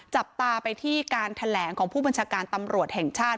จับตาไปที่การแถลงของผู้บัญชาการตำรวจแห่งชาติ